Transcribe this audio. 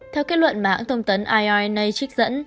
theo kết luận mà hãng thông tấn iona trích dẫn